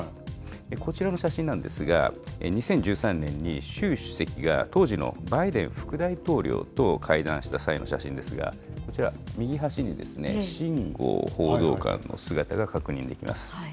こちらの写真なんですが、２０１３年に習主席が、当時のバイデン副大統領と会談した際の写真ですが、こちら、右端に秦剛報道官の姿が確認できます。